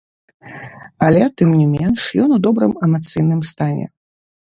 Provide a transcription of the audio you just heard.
Але тым не менш ён у добрым эмацыйным стане.